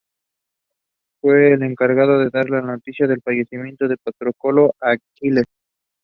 Portions of the bleachers went to Allegheny High School and Mount Morris.